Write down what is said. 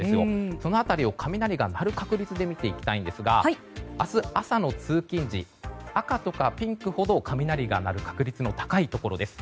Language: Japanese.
その辺りを雷が鳴る確率で見ていきたいんですが明日朝の通勤時赤とかピンクほど雷が鳴る確率が高いところです。